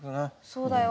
そうだよ。